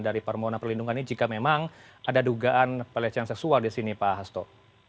dari permohonan perlindungan ini jika memang ada dugaan pelecehan seksual di sini pak hasto